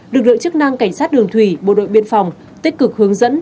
lực lượng chức năng cảnh sát đường thủy bộ đội biên phòng tích cực hướng dẫn